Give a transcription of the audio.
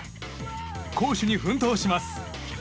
好守に奮闘します。